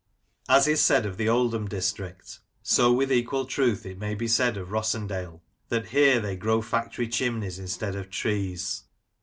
As is said of the Oldham district, so with equal truth it may be said of Rossendale, that " here they grow factory chimneys instead of trees."